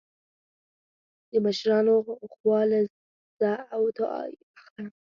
د مشرانو خوا له ځه او دعا يې اخله